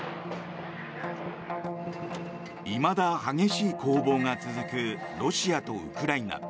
今だ激しい攻防が続くロシアとウクライナ。